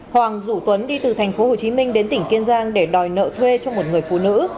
hoàng rủ tuấn đi từ tp hcm đến tỉnh kiên giang để đòi nợ thuê cho một người phụ nữ